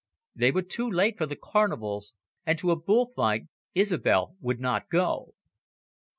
They were too late for the Carnivals, and to a bull fight Isobel would not go.